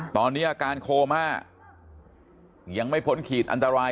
ตอนนี้อาการโคม่ายังไม่พ้นขีดอันตราย